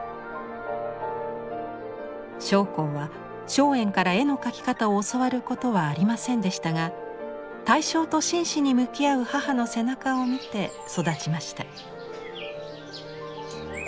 松篁は松園から絵の描き方を教わることはありませんでしたが対象と真摯に向き合う母の背中を見て育ちました。